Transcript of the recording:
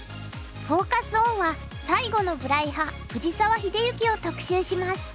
フォーカス・オンは最後の無頼派藤沢秀行を特集します。